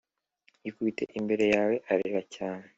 Yikubite imbere yawe arira cyane